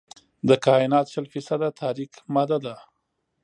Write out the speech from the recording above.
د کائنات شل فیصده تاریک ماده ده.